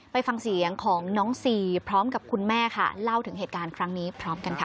ไปฟังเสียงของน้องซีพร้อมกับคุณแม่ค่ะเล่าถึงเหตุการณ์ครั้งนี้พร้อมกันค่ะ